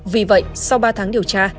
vì vậy sau ba tháng điều tra